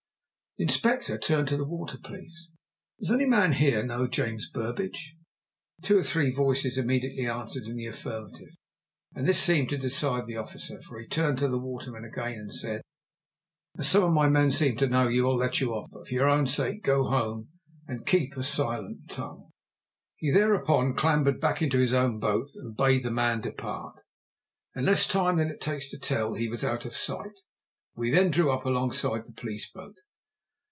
The Inspector turned to the water police. "Does any man here know James Burbidge?" Two or three voices immediately answered in the affirmative, and this seemed to decide the officer, for he turned to the waterman again and said, "As some of my men seem to know you, I'll let you off. But for your own sake go home and keep a silent tongue." He thereupon clambered back into his own boat and bade the man depart. In less time than it takes to tell he was out of sight. We then drew up alongside the police boat.